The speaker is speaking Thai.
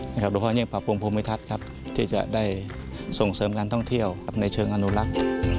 หลวงพ่อยังปรับปรุงภูมิทัศน์ที่จะได้ส่งเสริมการท่องเที่ยวในเชิงอนุรักษ์